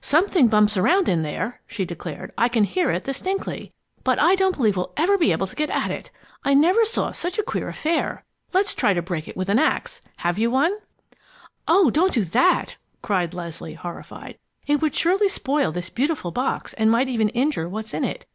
"Something bumps around in there!" she declared. "I can hear it distinctly, but I don't believe we'll ever be able to get at it. I never saw such a queer affair! Let's try to break it with an ax. Have you one?" "Oh, don't do that!" cried Leslie, horrified. "It would surely spoil this beautiful box and might even injure what's in it.